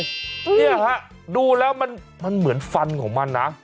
นี่ฮะดูแล้วมันเหมือนฟันของมันนะ